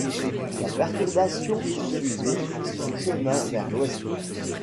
La perturbation poursuivit son chemin vers l'ouest.